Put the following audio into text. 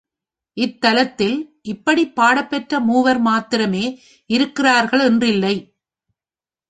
இத்தலத்தில் இப்படிப் பாடப்பெற்ற மூவர் மாத்திரமே இருக்கிறார்கள் என்றில்லை.